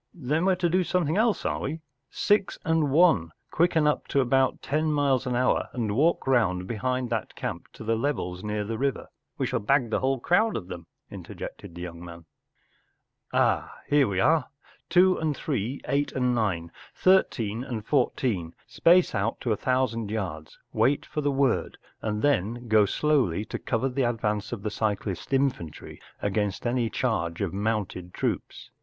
Then we Ye to do something else, are we ? Six and One, quicken up to about ten miles an hour and walk round behind that camp to the levels near the river — we shall bag the whole crowd of them,” interjected the young man. “Ah, here we are ! Two and Three, Eight and Nine, Thirteen and Fourteen, space out to a thousand yards, wait for the word, and then go slowly to cover the advance of the cyclist infantry against any charge of mounted troops.